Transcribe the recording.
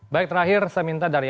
baik terakhir saya minta dari